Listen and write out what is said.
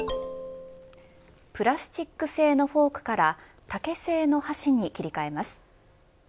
プラスチック製のフォークから竹製の箸に切り替えます。